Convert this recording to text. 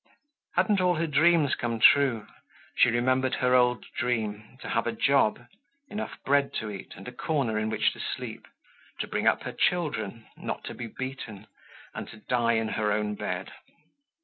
Hadn't all her dreams come true? She remembered her old dream: to have a job, enough bread to eat and a corner in which to sleep, to bring up her children, not to be beaten, and to die in her own bed.